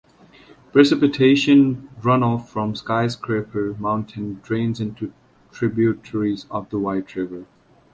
Precipitation runoff from Skyscraper Mountain drains into tributaries of the White River.